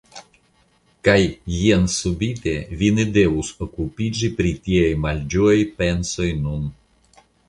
Kaj jen subite vi ne devus okupiĝi pri tiaj malĝojaj pensoj nun.